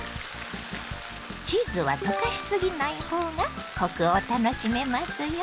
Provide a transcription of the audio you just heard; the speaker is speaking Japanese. チーズは溶かしすぎない方がコクを楽しめますよ。